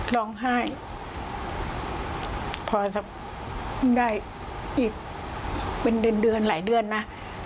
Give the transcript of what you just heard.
ร้องไห้พอสักได้อีกเป็นเดือนเดือนหลายเดือนนะ